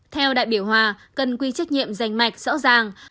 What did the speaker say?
theo đại biểu hòa cần quy trách nhiệm dành mạch rõ ràng